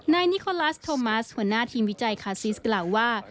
นายนิโคลัสโทมัสหัวหน้าทีมวิจัยคาซิสกล่าวว่า